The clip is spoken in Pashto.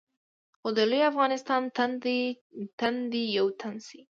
خو د لوی افغانستان تن دې یو تن شي.